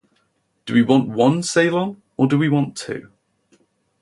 Do we want one Ceylon or do we want two?